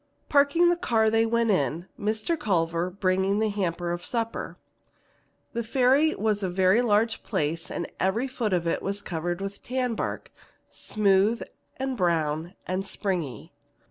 Parking the car, they went in, Mr. Culver bringing the hamper of supper. The Ferry is a very large place and every foot of it is covered with tan bark, smooth and brown and springy.